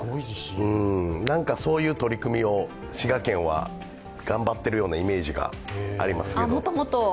そういう取り組みを滋賀県は頑張ってるようなイメージがあります。